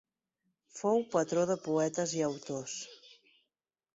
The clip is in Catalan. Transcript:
Fou patró de poetes i autors.